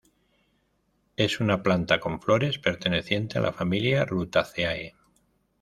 Es una planta con flores perteneciente a la familia Rutaceae.